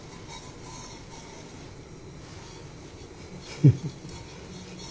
フフフッ。